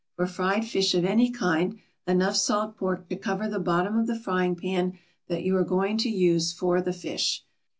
For fried fish of any kind, enough salt pork to cover the bottom of the frying pan that you are going to use for the fish.